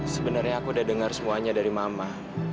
sebenernya aku udah denger semuanya dari mama